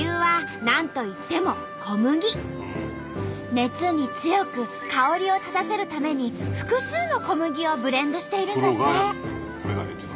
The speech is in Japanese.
熱に強く香りを立たせるために複数の小麦をブレンドしているんだって。